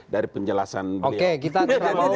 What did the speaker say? dari penjelasan beliau